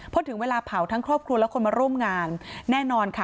พอถึงเวลาเผาทั้งครอบครัวและคนมาร่วมงานแน่นอนค่ะ